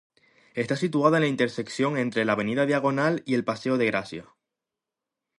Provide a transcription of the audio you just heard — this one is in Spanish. Está situada en la intersección entre la avenida Diagonal y el paseo de Gracia.